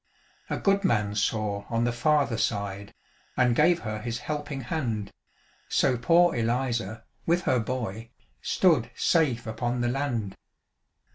A good man saw on the farther side, And gave her his helping hand; So poor Eliza, with her boy, Stood safe upon the land.